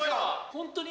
・ホントに？